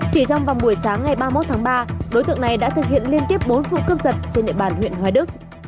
chỉ trong vòng buổi sáng ngày ba mươi một tháng ba đối tượng này đã thực hiện liên tiếp bốn vụ cướp giật trên địa bàn huyện hoài đức